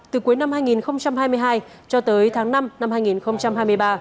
từ cuối năm hai nghìn hai mươi hai cho tới tháng năm năm hai nghìn hai mươi ba